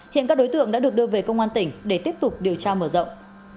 hiện các đối tượng đã được đưa về công an tỉnh để tiếp tục điều tra mở rộng